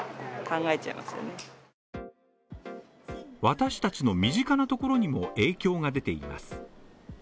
私達の身近なところにも影響が出ています。